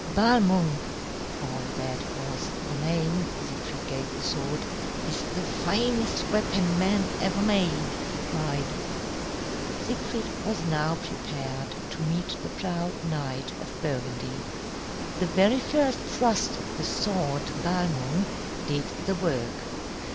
"Balmung" (for that was the name Siegfried gave the sword) "is the finest weapon man ever made," he cried. Siegfried was now prepared to meet the proud knight of Burgundy. The very first thrust of the sword, Balmung, did the work.